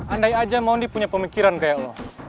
andai aja mondi punya pemikiran kayak allah